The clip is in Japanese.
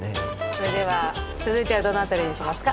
それでは続いてはどの辺りにしますか？